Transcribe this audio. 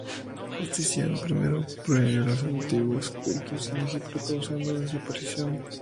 Justiniano I prohibió los antiguos cultos en Egipto, causando su desaparición.